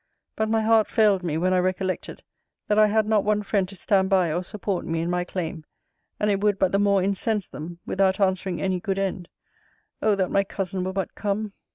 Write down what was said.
But my heart failed me, when I recollected, that I had not one friend to stand by or support me in my claim; and it would but the more incense them, without answering any good end. Oh! that my cousin were but come!